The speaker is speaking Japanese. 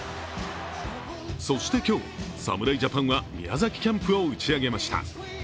そして今日、侍ジャパンは宮崎キャンプを打ち上げました。